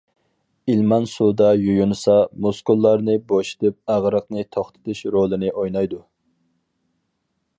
ئىلمان سۇدا يۇيۇنسا، مۇسكۇللارنى بوشىتىپ، ئاغرىقنى توختىتىش رولىنى ئوينايدۇ.